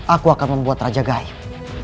aku akan membuat raja gaib